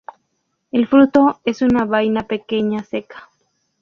El fruto es una vaina pequeña seca.